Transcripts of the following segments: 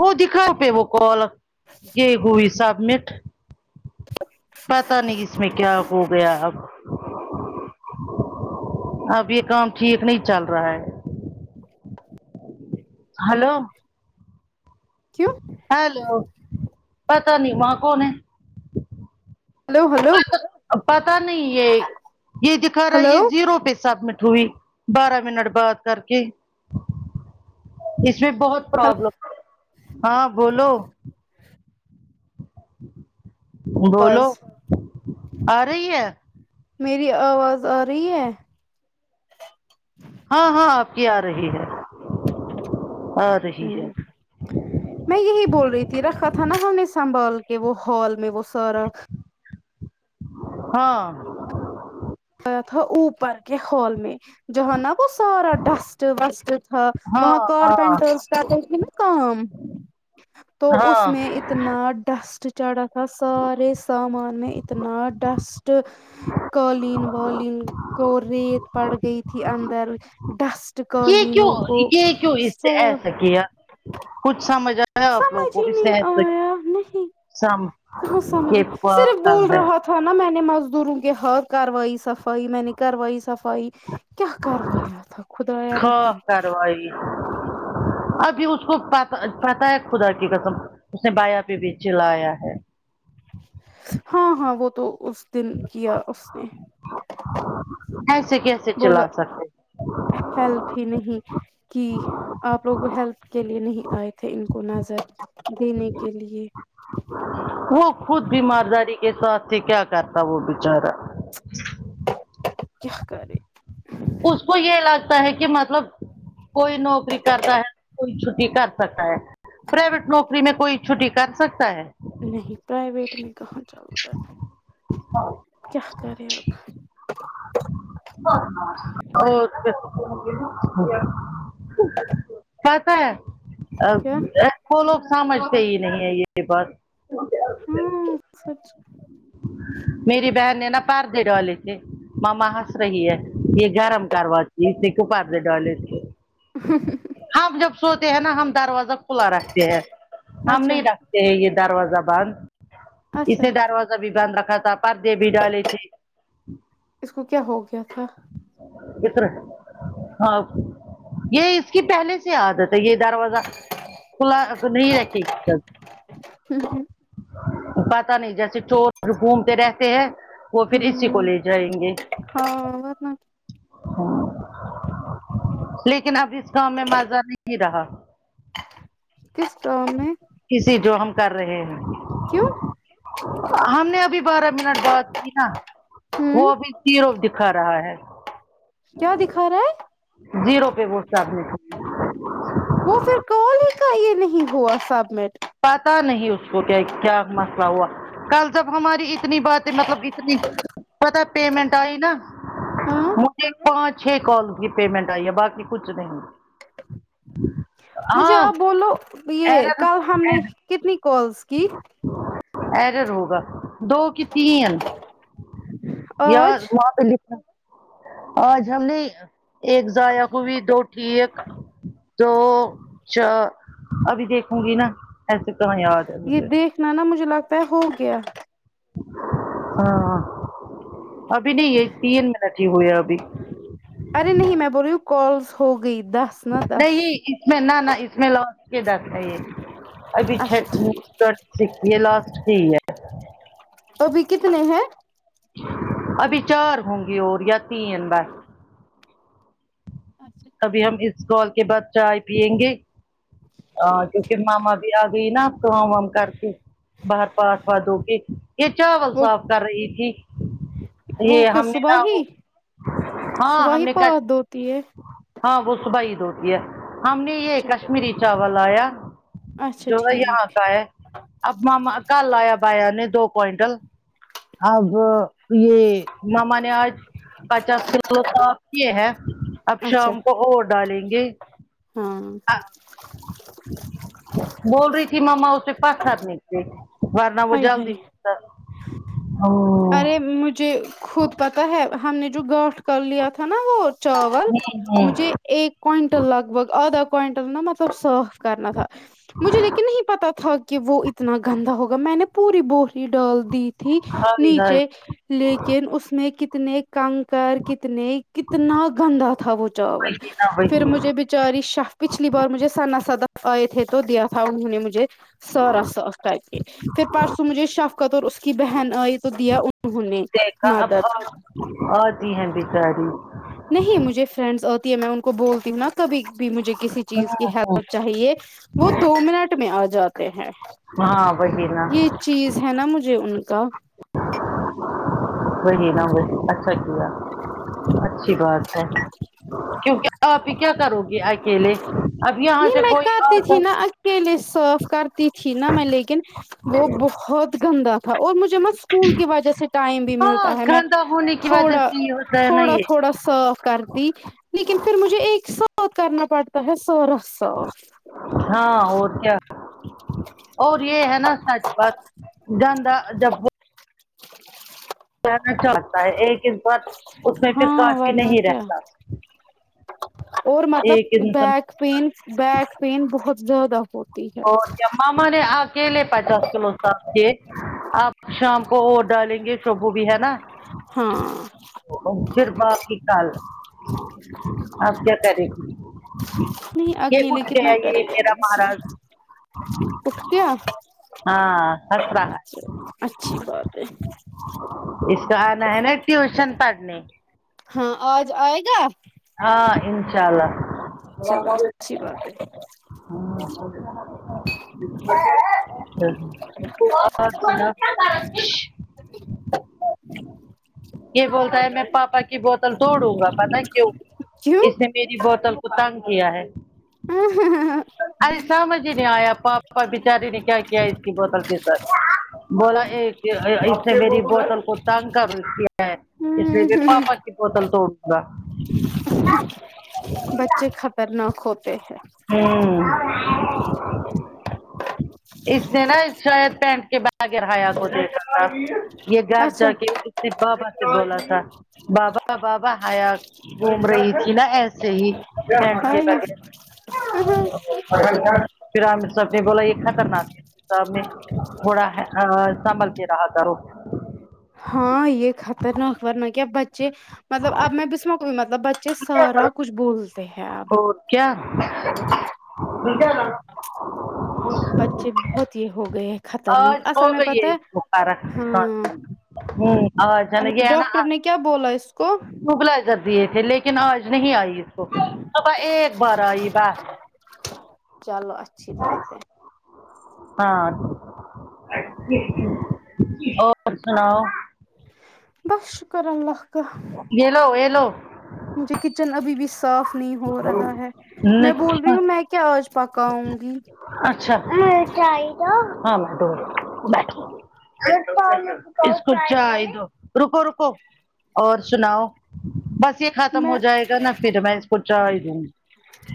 وہ دکھاؤ پے وہ کال یے ہوئی سبمٹ پتہ نہیں اس میں کیا ہو گیا اب اب یے کام ٹھیک نہیں چل رہا ہے ہلو کیوں ہیلو پتہ نہیں وہاں کون ہے ہلو ہلو پتہ نہیں یے یے دکھا رہا ہے ہلو یے زیرو پے سبمٹ ہوئی بارہ منٹ بات کر کے اس میں بہت پرابلم ہے ہاں بولو بولو آواز آ رہی ہے میری آواز آ رہی ہے ہاں ہاں آپ کی آ رہی ہے آ رہی ہمم ہے میں یہی بول رہی تھی رکھا تھا نا ہم نے سنبھال کے وہ ہال میں وہ سارا ہاں گیا تھا اوپر کے ہال میں جہاں نا وہ سارا ڈسٹ وسٹ تھا ہاں وہاں ہاں کارپینٹرس کر رہے تھے نا کام تو اس ہاں میں اتنا ڈسٹ چڑھا تھا سارے سامان میں اتنا ڈسٹ کالین بالین کو ریت پڑ گئی تھی اندر ڈسٹ یے کیوں قالینوں کو یے کیوں اس نے سا ایسا کیا کچھ سمجھ آ سمجھ ہی نہیں آیا نہیں سم کہاں سمجھ یہ صرف پاگل بول ہے رہا تھا تھا نا میں نے مزدوروں کے ہر کاروائی سفائی میں نے کاروائی سفائی کیا کروایا تھا خدایا خواہ رحم کاروائی ابھی اس کو پا پتہ ہے خدا کی قسم اس نے بایا پے بھی چلایا ہے ہاں ہاں وہ تو اس دن کیا اس نے اسے کیسے چلا بولا سک ہیلپ ہی نہیں کی آپ لوگوں ہیلپ کے لیے نہیں آئے تھے ان کو نظر دینے کے لیے وہ خود بیمار داری کے ساتھ ہی کیا کرتا وہ بچارا کیا کرے اس کو یہ لگتا ہے کے م مطلب کوئی نوکری کرتا ہے کوئی چھٹی کر سکتا ہے پرائیویٹ نوکری میں کوئی چھٹی کر سکتا ہے نہیں پرائیویٹ میں کہاں چلتا ہے کیا کرے اب [inaudible] پتا ہے اب کیا وہ لوگ سمجھتے ہی نہیں ہے یے بات ہاں سچ میری بہن نے نا پرد دی ڈالے تھے ماما ہنس رہی ہے یہ گرم کروا [unintelligible] ڈال ہم جب سوتے ہیں نا ہم دروازہ کھلا رکھتے ہیں ہم اچھا نہیں رکھت یہ دروازہ بند اچھا اسے دروازہ بھی بند رکھا تھا پردے بھی ڈالے تھے اس کو کیا ہو گیا تھا ا طرح ہاں یہ اس کی پہلے سے عاد ہے یہ دروازہ کھلا نہیں رکھی ہوں پتا نہیں جیسے چور گھومتے رہتے ہیں وہ پھر اسی کو لے جائیں گے ہاں ورنہ لیکن اب اس کام میں مزہ نہیں رہا کس کام میں کسی جو ہم کر رہے ہیں کیوں ہم نے ابھی بارہ منٹ بعد کی نا وہ ہوں ابھی تیرو دکھا رہا ہے کیا دکھا رہا ہے جیرو پہ ووٹ ڈالنے کو وہ پھر کال ہی کا یہ نہیں ہوا سبمٹ پتا نہیں اس کو کیا کیا مسئلہ ہوا کل جب ہماری اتنی باتیں مطلب اتنی پتا پیمنٹ آئی نا ہاں مجھے پانچ چھ کال کی پیمنٹ آئی ہے باقی کچھ نہیں مجھے ہاں آپ بولو یہ کل ہم نے کتنی کالس کی اییرر ہوگا دو کی تین یار آج وہاں پہ لکھا آج ہم نے ایک ضائع کو بھی دو کی ایک دو چا ابھی دیکھوں گی نا ایسے کمائے یہ دیکھنا نا مجھے لگتا ہے ہو گیا ہاں ابھی نہیں یہ تین منٹ ہی ہوئے ابھی ارے نہیں میں بول رہی ہوں کالس ہو گئی دس نہ دس نہیں اس میں نہ نہ اس میں لوچ کے [unintelligible] ابھی اچھا چٹ میں ٹھیک ٹھرتے سکس یہ لسٹ کی ہے ابھی کتنے ہیں ابھی چار ہوں گی اور یا تین بس اچھا ابھی ہم اس کال کے بعد چائے پیئیں گے ا ٹھیک کیونکہ ٹھیک ماما بھی آ گئی نہ اب کام وام کرکے بہر پڑتا دھوکے [unintelligible] یہ چاول وہ صاف کر رہی تھی یہ وہ کیا ہم نے صبح نہ ہی ہاں صبح ہم ہی نے [unintelligible] ہاں وہ صبح عید ہوتی ہے ہم نے یہ اچھا پھر کشمیری چاول لایا اچھا جو ہے یہاں ٹھیک کا ہے اب ماما کل لایا بھائی یا نے دو کوئنٹل اب یہ ماما نے آج پچاس کلو صاف کیے ہے اب اچھا شام کو اور ڈالیں گے ہاں بول رہی تھی مما اس سے پتھر نکلے ورنہ وہ ہائی ہائی جلدی کر ارے مجھے خود پتا ہے ہم نے جو گاٹھ کر لیا تھا نا وہ چاول مجھے ایک کوئنٹل لگ بھگ آدھا کوئنٹل نا مطلب صاف کرنا تھا مجھے لیکن نہیں پتا تھا کہ وہ اتنا گندا ہوگا میں نے پوری بوری ڈال دی تھی ہائی ہائی نیچے لیکن اس میں کتنے کنکر کتنے کتنا گندا تھا وہ چاول وہی نہ پھر وہی مجھے بھی چاری شاہ پچھلی بار مجھے سنا سدف آئے تھے تو دیا تھا انہوں نے مجھے سارا صاف کر کے پھر پرسوں مجھے شفقت اور اس کی بہن آئی تو دیا انہوں نے دیکھا اب مدد آ آتی ہے بیچاری نہیں مجھے فرینڈس آتی ہے میں ان کو بولتی ہوں نا کبھی بھی مجھے کسی چیز کی ہیلپ چاہیے وہ دو منٹ میں آ جاتے ہیں ہاں وہی نہ یہ چیز ہے نا مجھے ان کا وہی نہ وہی اچھا کیا اچھی بات ہے کیوں کی آپ ہی کیا کرو گے اکیلے اب یہاں نہیں سے میں کوئی اور کرتی تھی نا اکیلے صاف کرتی تھی نا میں لیکن وہ بہت گندا تھا اور مجھے مت اسکول کی وجہ سے ٹائم بھی ہاں ملتا ہے میں گندا ہونے کی وجہ تھوڑا سے یہ ہوتا ہے نا تھوڑا یہ تھوڑا صاف کرتی لیکن پھر مجھے ایک ساتھ کرنا پڑتا ہے سارا صاف ہاں اور کیا اور یہ ہے نا سچ بت گندہ جب کہنا چاہتا ہے ایک اس بات اس میں پھر ہاں کافی ورنہ نہیں کیا رہتا اور ایک مطلب انسان بیک پیں بیک پین بہت زیادہ ہو اور کیا مما نے آ کیلے پچاس کلو صاف کیے آپ شام کو اور ڈالیں گے شبو بھی ہے نا ہاں پھر باقی کل آپ کیا کرے گی نہیں یہ اکیلے اٹ گیا کتنا یہ کرے گا میرا انسان مہاراج اٹھ گیا ہاں ہس رہا اچھی بات ہے اس کا آنا ہے نا ٹیوشن پڑھنے ہاں آج آئے گا ہاں انشاء اللہ اسلام چلو اچھی علیکم بات ہے ہاں [unintelligible] [unintelligible] یہ بولتا ہے میں پاپا کی بوتل توڑوں گا پتا ہے کیوں کیوں اس نے میری بوتل کو تنگ کیا ہے ہاں ہاں ہاں ہاں ارے سمجھ ہی نہیں آیا پاپا بچاری نے کیا کیا اس کی بوتل کے ساتھ بولا ایک اس نے میری بوتل کو تانگ کا رکھ کیا ہے اس لیے پاپا کی بوتل توڑ دونگا بچے خطرناک ہوتے ہیں ہوں اس نے نا شید پینٹ کے بعد حایا کو دیتا تھا یہ گھر اچھا جا کے نے بابا سے بولا تھا بابا بابا ہایا گھوم رہی تھی نا ایسے ہی پینٹ کے ہائی بغیر پھر ہم سب نے بولا یہ خطرناک ہے سامنے میں تھوڑا ا سنبلکے رہا کرو ہاں یہ خطرناک ورنہ کیا بچے مطلب اب میں بھیسم کو مطلب بچے سارا کچھ بولتے ہیں اب اور کیا کیا بچے بہت یہ ہو گئے خطرناک آج اصل ہو میں گئی پتہ ہے اس کو فرق ہوں آج ہے ہاںچا ڈاکٹر نے کیا بولا اس کو وبلائزر دیے تھے لیکن آج نہیں آئی اس کو صب ایک بار آئی بس چلو اچھی بات ہے ہاں اور سناؤ بس شکر اللہ کا یہ لو یہ لو مجھے کچن ابھی بھی صاف نہیں ہو رہا ہے میں بول رہی نکشا ہوں میں کیا آج پکا آؤں گی اچھا اس کو چائ دو رکو رکو اور سناؤ بس ختم ہو میں جائے گا نا پھر میں اس کو چایی دوں گی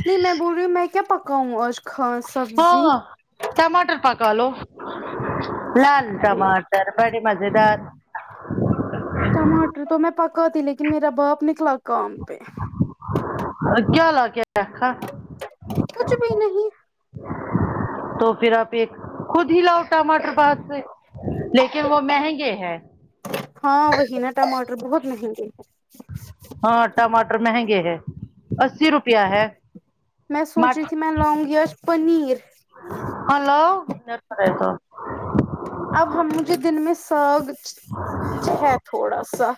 نہیں میں بول رہی ہوں میں کیا پکاوں آج خاص سبزی ہاں ٹماٹر پکالو لال ارے ٹماٹر بڑے مزے دار ٹماٹر تو میں پکا تی لیکن میرا باپ نکلا کام پہ کیا حال کیا رھا کچ بھی نہیں تو پھر آپ ایک خود ہی لاؤ ٹماٹر بہار سے لیکن وہ مہنگے ہیں ہاں وہہینا ٹمٹر بہت مہنگے ہے ہاں ٹماٹر مہنگے ہے اسی روپیہ ہے میں سوچی تھی میں لونگی آج پنیر ہلو اب ہم مجھے دن میں ساگ ہے تھوڑا سا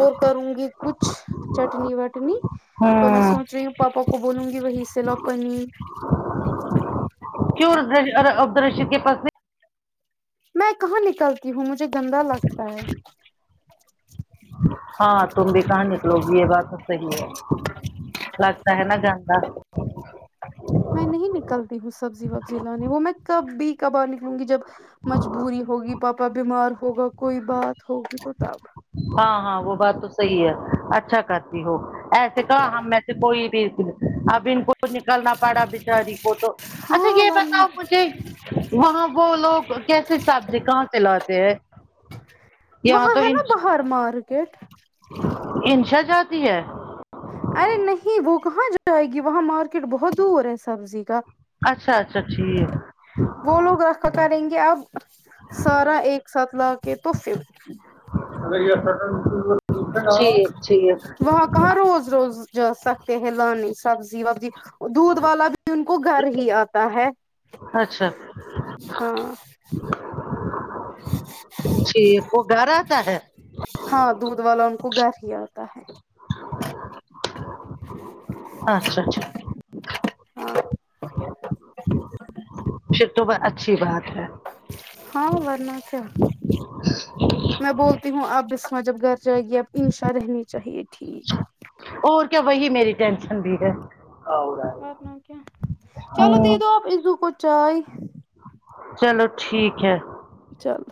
اور کروں گی کچھ چٹنی وٹنی تو میں ہوں سوچ رہی ہوں پاپا کو بولوں گی وہی سے لوپنیر کیوں عبد ال رشید کے پاس نہیں میں کہاں نکلتی ہوں مجھے گندا لگتا ہے ہاں تمے کان لوگ یہ بات تو صحیح ہے لگتا ہے نا گاندہ میں نہیں نکلتی ہوں سبزی وبزی لانے وہ میں کب بھی کبار نکلوں گی جب مجبوری ہوگی پاپا پا پا بیمار ہوگا کوئی بات ہوگی تو تب ہاں ہاں وہ بات تو صحیح ہے اچھا کرتی ہو ایسے کہا ہم میں سے کوئی بھی اب ان کو نکلنا پڑا بچاری کو تو اچھا ہاں یے ورنہ پتاؤ مجھے وہاں وہ لوگ کیسے سبزی کہاں سے لاتے ہیں یہاں وہاں تو ہے نا بہت پرمار کٹ انشا جاتی ہے ارے نہیں وہ کہاں جائے گی وہاں مارکیٹ بہت دور ہے سبزی کا اچھا اچھا ٹھیک وہ لوگ رکھا کریں گے اب سارا ایک ساتھ لا کے تو پھر ٹھیک ٹھیک کہا روز روز جا سکتے ہیں لانانی سبزی وبزی دودھ والا بھی ان کو گھر ہی آتا ہے اچھا ہاں ج [inaudible] ٹھیک وہ گھر آتا ہے ہاں دودھ والا ان کو گھر ہی آتا ہے اچھا ٹھیک ہاں پھر تو بہ اچھی بات ہے ہاں ورنہ کیا میں بول تی ہوں آپسماں جب گھر جائے گی اب انشا رہنی چاہیے ٹھیک اور کیا وہی میری ٹینشن بھی ہے ورنہ کیا چلو دے دو آپ ایذو کو چائے چلو ٹھیک ہے چلو